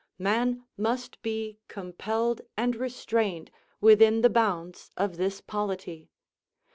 Man must be compelled and restrained within the bounds of this polity.